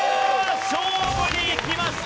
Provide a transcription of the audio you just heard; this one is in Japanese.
勝負にいきました。